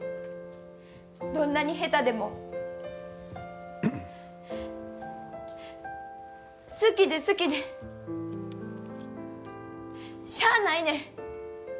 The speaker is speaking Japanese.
どんなに下手でも好きで好きで、しゃあないねん。